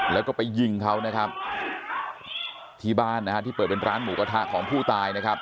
แล้วก็ไปยิงเขานะครับที่บ้านนะฮะที่เปิดเป็นร้านหมูกระทะของผู้ตายนะครับ